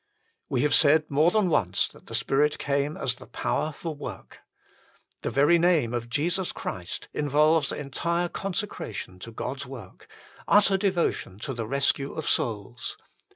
We have said more than once that the Spirit came as the power for work. The very name of Jesus Christ involves entire consecration to God s work, utter devotion to the rescue of souls.